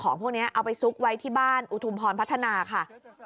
พวกนี้เอาไปซุกไว้ที่บ้านอุทุมพรพัฒนาค่ะ